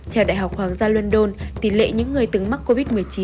theo đại học hoàng gia london tỷ lệ những người từng mắc covid một mươi chín